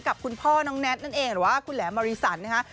กับคุณพ่อน้องแน็ตนั่นเองหรือว่าคุณแหลมมาริสันนะคะ